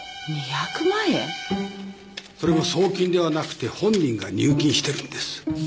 それも送金ではなくて本人が入金してるんです。